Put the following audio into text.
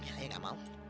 ayah kagak mau